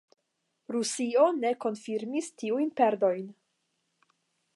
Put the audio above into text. Rusio ne konfirmis tiujn perdojn.